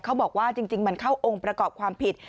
เขาบอกว่าจริงมันเข้าองค์ประกอบความผิด